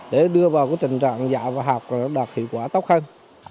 để đưa vào cái tình trạng dạ và học đạt hiệu quả tốt hơn